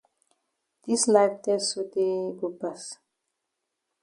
Dis life tess sotay go pass.